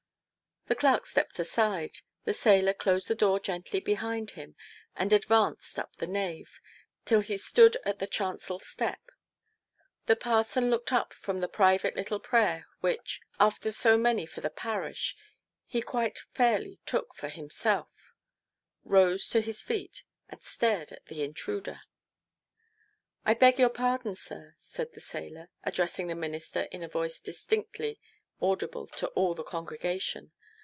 The clerk stepped aside, the sailor closed the door gently behind him, and advanced up the nave till he stood at the chancel step. The parson looked up from the private little prayer which, after so many for the parish, he quite fairly took for himself, rose to his feet, and stared at the intruder. " I beg your pardon, sir," said the sailor, addressing the minister in a voice distinctly audible to all the congregation.